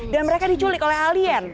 dan mereka diculik oleh alien